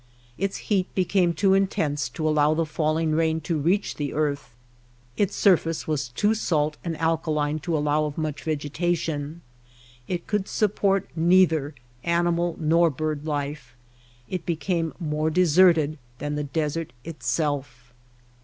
Its heat became too intense to allow the falling rain to reach the earth, its surface was too salt and alkaline to allow of much vegetation, it could support neither animal nor bird life ; it became more deserted than the desert itself.